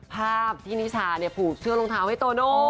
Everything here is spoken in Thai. ภาพที่นิชาเนี่ยผูกเสื้อรองเท้าให้โตโน่